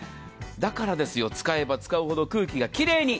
だからですよ、使えば使うほど空気が奇麗に。